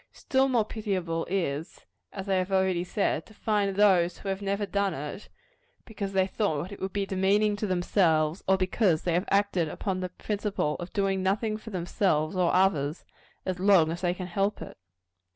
Still more pitiable is it, as I have already said, to find those who have never done it, because they thought it would be demeaning themselves or because they have acted upon the principle of doing nothing for themselves or others, as long as they can help it.